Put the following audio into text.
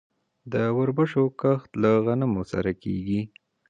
د وربشو کښت له غنمو سره کیږي.